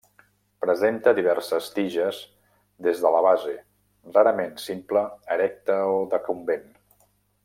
Presenta diverses tiges des de la base, rarament simple, erecta o decumbent.